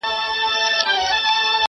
نن به یې لوی ښاخونه.!